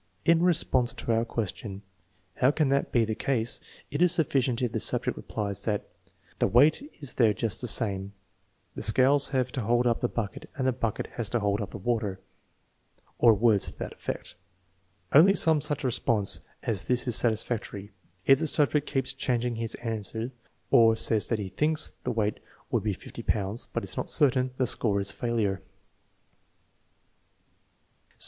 In response to our question, " How can that be the case? " it is sufficient if the subject replies that " The weight is there just the same; the scales have to hold up the bucket and the bucket has to hold up the water," or words to that effect. Only some such response as this is satisfactory. If the subject keeps chang ing his answer or says that he thinks the weight would be 50 pounds, but is not certain, the score is failure.